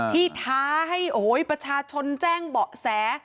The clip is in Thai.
ท้าให้ประชาชนแจ้งเบาะแส